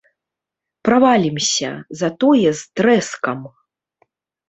Правалімся, затое з трэскам!